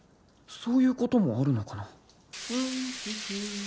そういうこともあるのかな